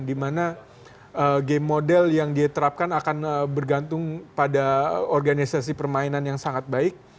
di mana game model yang diterapkan akan bergantung pada organisasi permainan yang sangat baik